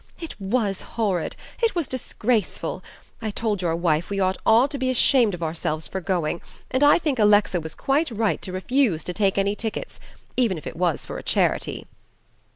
"It WAS horrid; it was disgraceful. I told your wife we ought all to be ashamed of ourselves for going, and I think Alexa was quite right to refuse to take any tickets even if it was for a charity."